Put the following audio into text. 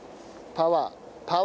パワー！